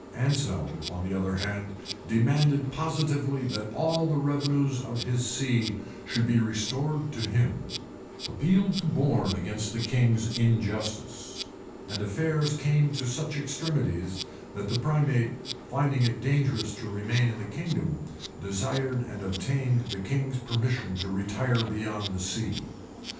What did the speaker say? [] Anselm, on the other hand, demanded positively that all the revenues of his see should be restored to him; appealed to Borne against the king's injustice;[] and affairs came to such extremities, that the primate, finding it dangerous to remain in the kingdom, desired and obtained the king's permission to retire beyond sea.